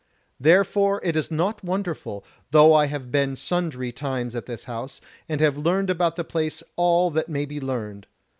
Therefore is it naught wonderful, though I have been sundry times at this house, and have learned about the place all that may be learned.